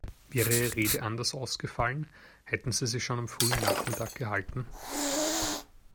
Wäre Ihre Rede anders ausgefallen, hätten Sie sie schon am frühen Nachmittag gehalten?